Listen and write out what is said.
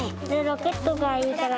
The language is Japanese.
ロケットがいいから。